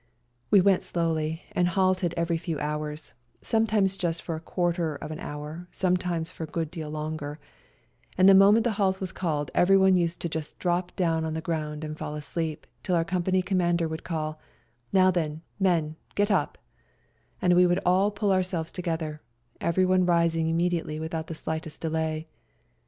We went slowly and halted every few hours, sometimes just for a quarter of an hour, sometimes for a good deal longer, and the moment the halt was called everyone used to just drop down on the ground and fall asleep till our company Commander would call, " Now then, men, get up," and we would all pull ourselves together, everyone rising immediately without the slightest delay.